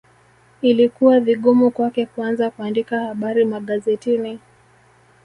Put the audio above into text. Ilikuwa vigumu kwake kuanza kuandika habari magazetini